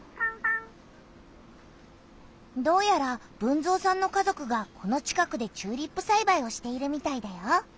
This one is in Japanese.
どうやら豊造さんの家族がこの近くでチューリップさいばいをしているみたいだよ。